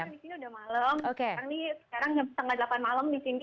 disini sudah malam sekarang ini setengah delapan malam disini